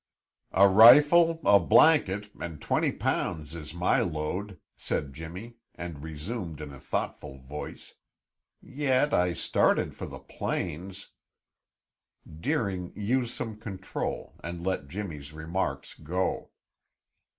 "A rifle, a blanket, and twenty pounds is my load," said Jimmy and resumed in a thoughtful voice: "Yet I started for the plains " Deering used some control and let Jimmy's remark go.